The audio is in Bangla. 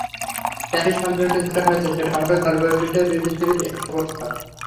প্যারিস সম্মেলনে যেটা হয়েছে, সেটা হলো জলবায়ু বিষয়ে পৃথিবীর একটা প্রস্তাব।